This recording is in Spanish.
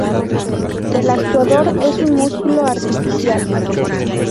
El actuador es un músculo artificial.